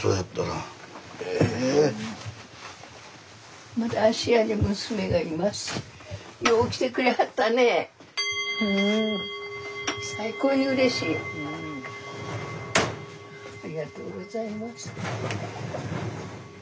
ありがとうございます。